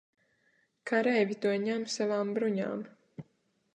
Kareivji to ņem savām bruņām.